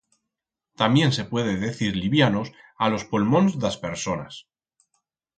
Tamién se puede decir livianos a los polmons d'as personas.